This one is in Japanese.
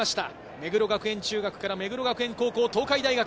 目黒学園中学から目黒学園高校、東海大学。